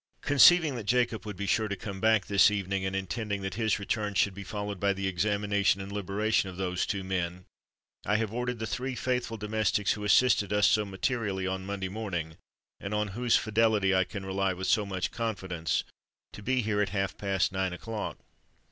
Conceiving that Jacob would be sure to come back this evening, and intending that his return should be followed by the examination and liberation of those two men, I have ordered the three faithful domestics who assisted us so materially on Monday morning, and on whose fidelity I can rely with so much confidence, to be here at half past nine o'clock."